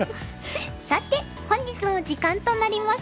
さて本日も時間となりました。